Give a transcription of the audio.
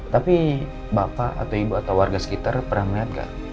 tapi bapak atau ibu atau warga sekitar pernah melihat nggak